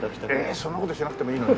そんな事しなくてもいいのに。